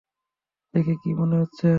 দেখে কী মনে হচ্ছে?